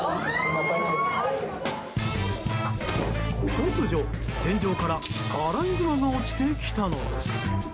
突如、天井からアライグマが落ちてきたのです。